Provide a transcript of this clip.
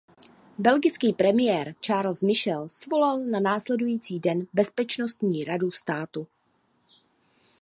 Belgický premiér Charles Michel svolal na následující den bezpečnostní radu státu.